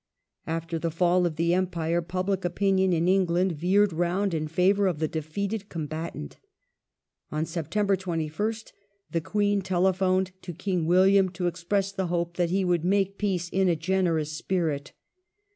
After the fall of the Empire public opinion in England veered round in favour of the defeated combatant. On September 21st the Queen telegraphed to King William to express the hope that he would make peace '' in a generous spirit